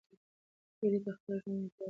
هیلې ته خپل ژوند یوه تیاره کوټه ښکارېده.